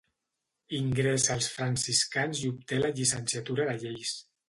Ingressa als franciscans i obté la llicenciatura de lleis.